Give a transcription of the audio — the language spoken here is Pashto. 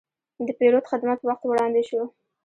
د پیرود خدمت په وخت وړاندې شو.